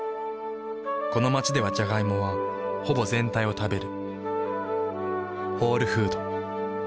この街ではジャガイモはほぼ全体を食べる。